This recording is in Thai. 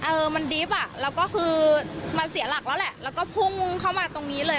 เออมันดิบอ่ะแล้วก็คือมันเสียหลักแล้วแหละแล้วก็พุ่งเข้ามาตรงนี้เลย